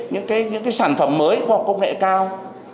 những sản phẩm mới khoa học công nghệ cao